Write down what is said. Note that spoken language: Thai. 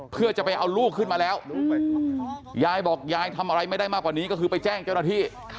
เพื่อจะไปเอาลูกขึ้นมาแล้วยายบอกยายทำอะไรไม่ได้มากกว่านี้ก็คือไปแจ้งเจ้าหน้าที่